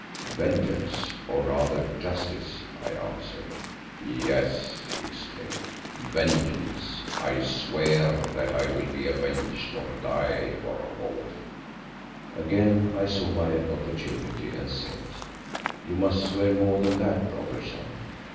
"Vengeance, or rather justice," I answered. "Yes," he exclaimed, "vengeance. I swear that I will be avenged, or die—or both." Again I saw my opportunity and said, "You must swear more than that, Robertson.